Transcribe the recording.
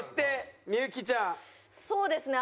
そうですね